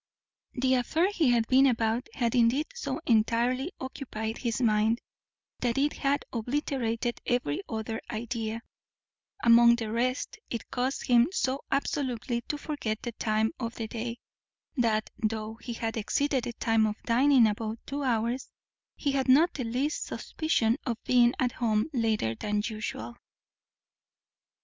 The affair he had been about had indeed so entirely occupied his mind, that it had obliterated every other idea; among the rest, it caused him so absolutely to forget the time of the day, that, though he had exceeded the time of dining above two hours, he had not the least suspicion of being at home later than usual.